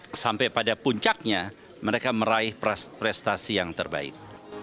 nah sampai pada puncaknya mereka meraih prestasi yang terbaik